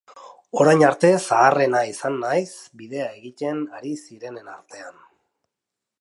Orain arte zaharrena izan naiz bidea egiten ari zirenen artean.